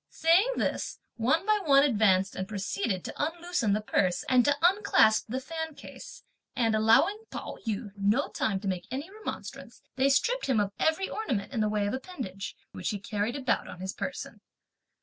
Saying this, one by one advanced and proceeded to unloosen the purse, and to unclasp the fan case; and allowing Pao yü no time to make any remonstrance, they stripped him of every ornament in the way of appendage which he carried about on his person.